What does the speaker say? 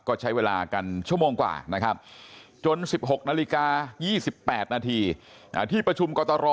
ก็ใช้เวลากันชั่วโมงกว่านะครับจน๑๖นาฬิกา๒๘นาทีที่ประชุมกตร